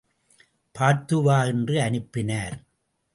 பார்த்து வா என்று அனுப்பினார்.